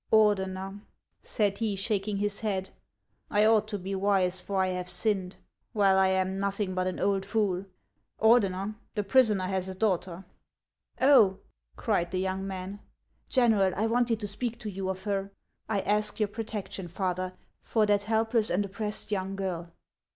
" Ordener," said lie, shaking his head, " I ought to be wise, for I have sinned. Well, I am nothing but an old fool ! Ordener, the prisoner lias a daughter —" Oh." cried the young man, " General, I wanted to speak to you of her. I ask your protection, father, for that helpless and oppressed young girl."